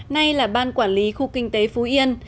nay là ban quản lý khu kinh tế phú yên